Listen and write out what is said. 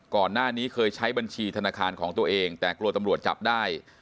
ก่อนหน้านี้เคยใช้บัญชีธนาคารของตัวเองแต่กลัวตำรวจจับได้